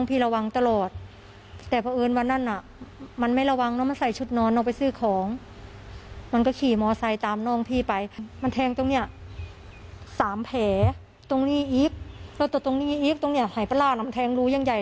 พอแล้วยอมแล้วมันก็ไม่เริ่มแทง